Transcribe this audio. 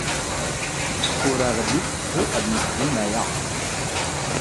Ur aɣ-d-ikeffu ad nexdem aya.